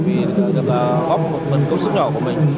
vì được góp một phần công sức nhỏ của mình